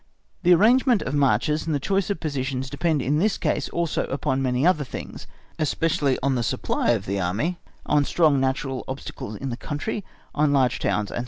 The arrangement of marches, and the choice of positions depend in this case also upon so many other things, especially on the supply of the Army, on strong natural obstacles in the country, on large towns, &c.